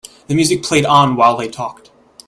The music played on while they talked.